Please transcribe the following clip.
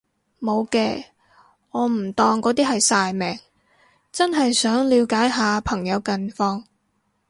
無嘅，我唔當嗰啲係曬命，真係想了解下朋友近況